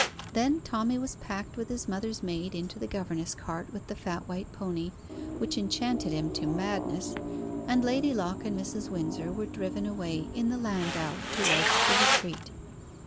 Then Tommy was packed with his mother's maid into the governess cart with the fat white pony, which enchanted him to madness, and Lady Locke and Mrs. Windsor were driven away in the landau towards "The Retreat."